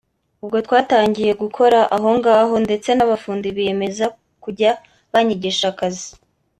ubwo twatangiye gukora aho ngaho ndetse n’abafundi biyemeza kujya banyigisha akazi